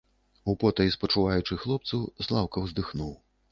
Употай спачуваючы хлопцу, Слаўка ўздыхнуў.